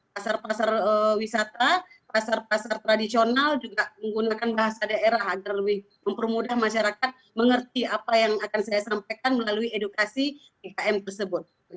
pasar pasar wisata pasar pasar tradisional juga menggunakan bahasa daerah agar lebih mempermudah masyarakat mengerti apa yang akan saya sampaikan melalui edukasi ikm tersebut